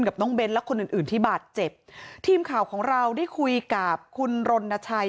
กับน้องเบ้นและคนอื่นอื่นที่บาดเจ็บทีมข่าวของเราได้คุยกับคุณรณชัย